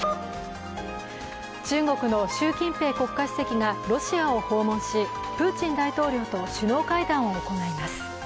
中国の習近平国家主席がロシアを訪問しプーチン大統領と首脳会談を行います。